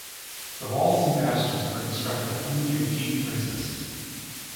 The walls and bastions were constructed only at key places.